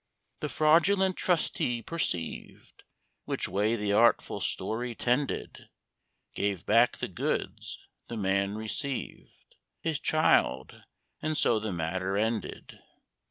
The Fraudulent Trustee perceived Which way the artful story tended, Gave back the goods, the man received His child, and so the matter ended.